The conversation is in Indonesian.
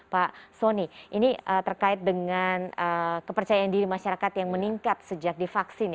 pak soni ini terkait dengan kepercayaan diri masyarakat yang meningkat sejak divaksin